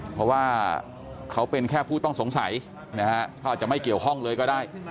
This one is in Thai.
เพราะว่าเขาเป็นแค่ผู้ต้องสงสัยนะฮะเขาอาจจะไม่เกี่ยวข้องเลยก็ได้